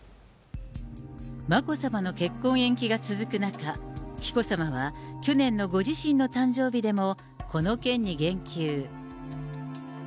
眞子さまの結婚延期が続く中、紀子さまは去年のご自身の誕生日でも、この件に言及。